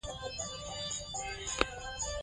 موږ به د کال په پیل کې تمرین وکړو.